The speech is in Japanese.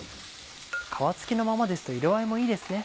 皮付きのままですと色合いもいいですね。